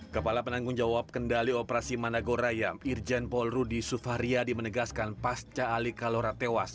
kepala penanggung jawab kendali operasi managorayam irjen paul rudi sufahriyadi menegaskan pasca ali kalora tewas